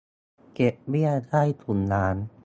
เก็บเบี้ยใต้ถุนร้าน